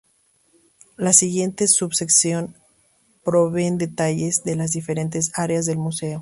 Las siguientes sub-secciones proveen detalles de las diferentes áreas del museo...